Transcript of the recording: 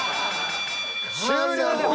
終了。